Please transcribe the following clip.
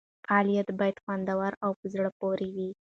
فعالیت باید خوندور او په زړه پورې وي.